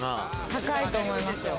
高いと思いますよ。